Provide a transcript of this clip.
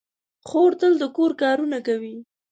خور تل د کور کارونه کوي.